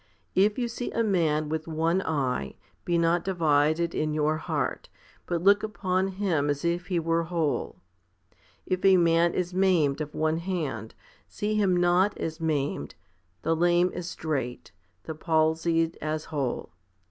If you see a man with one eye, be not divided in your heart, but look upon him as if he were whole. If a man is maimed of one hand, see him as not maimed, the lame as straight, the palsied as whole.